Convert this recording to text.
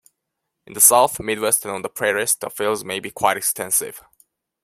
In the South, Midwest and on the Prairies the fields may be quite extensive.